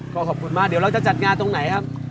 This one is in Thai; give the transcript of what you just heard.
ก็ขอบคุณมากเดี๋ยวเราจะจัดงานตรงไหนครับ